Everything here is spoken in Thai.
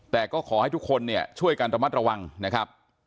แต่ก็ขอให้ทุกคนเนี่ยช่วยกันระมัดระวังนะครับ